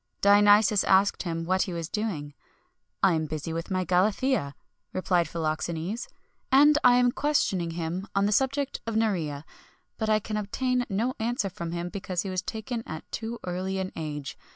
Dionysius asked him what he was doing. "I am busy with my Galathea," replied Philoxenes, "and I am questioning him on the subject of Nerea; but I can obtain no answer from him, because he was taken at too early an age.